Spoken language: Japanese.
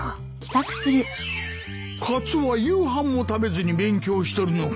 カツオは夕飯も食べずに勉強しとるのか。